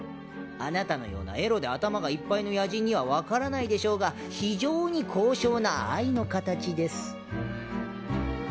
あなたのようなエロで頭がいっぱいの野人には分からないでしょうが非常に高尚な愛の形です。